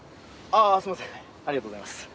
あぁすいませんありがとうございます。